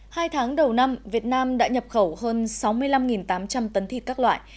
hai tháng đầu năm việt nam đã nhập khẩu hơn sáu mươi năm tám trăm linh tấn thịt các loại